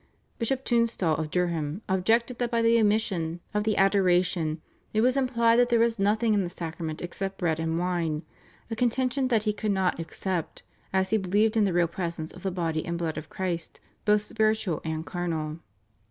Bishop Tunstall of Durham objected that by the omission of the Adoration it was implied that there was nothing in the Sacrament except bread and wine, a contention that he could not accept, as he believed in the Real Presence of the Body and Blood of Christ both spiritual and carnal.